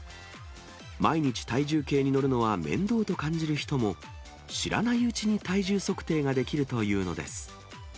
毎日体重計に乗るのは面倒と感じる人も、知らないうちに体重測定ができるというのです。